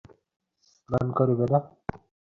স্নান করিবে না?